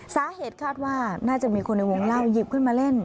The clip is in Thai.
สาเหตุคาดว่าน่าจะมีคนในวงเล่าหยิบขึ้นมาเล่น